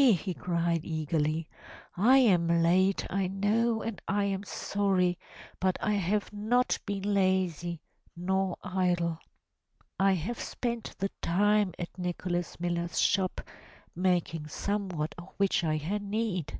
'' he cried eagerly. "I am late I know and I am sorry but I have not been lazy nor idle. I have spent the time at Nicholas Miller's shop making somewhat of which I had need!"